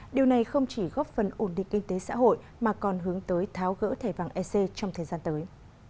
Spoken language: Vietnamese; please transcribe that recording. điều này không chỉ góp phần ổn định kinh tế xã hội mà còn hướng tới tháo gỡ thẻ vàng ec trong thời gian tới